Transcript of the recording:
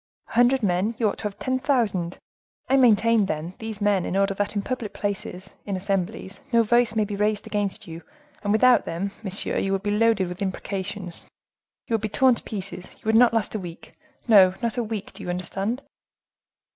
A hundred men!—you ought to have ten thousand. I maintain, then, these men in order that in public places, in assemblies, no voice may be raised against you; and without them, monsieur, you would be loaded with imprecations, you would be torn to pieces, you would not last a week; no, not a week, do you understand?"